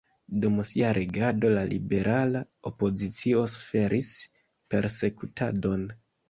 Dum sia regado la liberala opozicio suferis persekutadon.